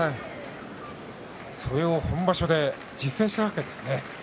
それを本場所で実戦したわけですね。